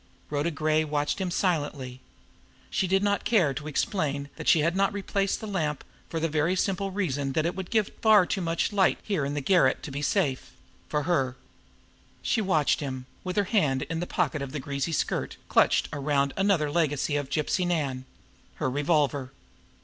Rhoda Gray watched him silently. She did not care to explain that she had not replaced the lamp for the very simple reason that it gave far too much light here in the garret to be safe for her! She watched him, with her hand in the pocket of her greasy skirt clutched around another legacy of Gypsy Nan her revolver.